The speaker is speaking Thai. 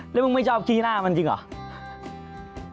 แล้วมึงไม่ชอบขี้หน้ามันจริงเหรอ